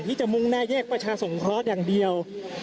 ที่จะมุ่งแน่แยกประชาสงครอสอยู่อย่างเดียว